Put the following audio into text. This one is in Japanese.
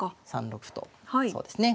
３六歩とそうですね